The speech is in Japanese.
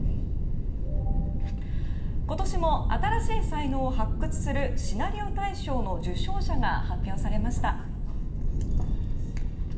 今年も新しい才能を発掘するシナリオ大賞の受賞者が発表されました。